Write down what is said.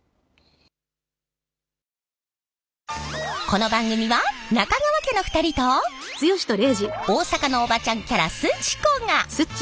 この番組は中川家の２人と大阪のおばちゃんキャラすち子が